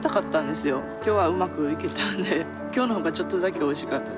今日はうまくいけたんで今日の方がちょっとだけおいしかったです。